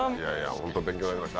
ホント勉強になりました